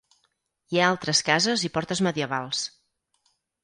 Hi ha altres cases i portes medievals.